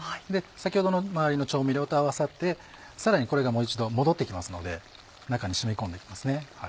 先ほどの周りの調味料と合わさってさらにこれがもう一度戻って来ますので中に染み込んで行きますね。